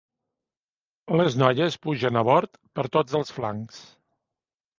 Les noies pugen a bord per tots els flancs.